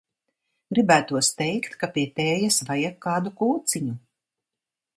Gribētos teikt, ka pie tējas vajag kādu kūciņu.